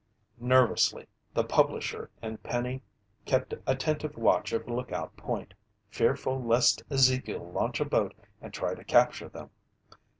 Nervously the publisher and Penny kept attentive watch of Lookout Point, fearful lest Ezekiel launch a boat and try to capture them.